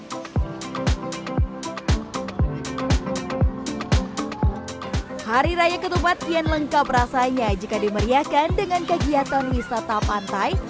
hai hari raya ketupat kian lengkap rasanya jika dimeriahkan dengan kegiatan wisata pantai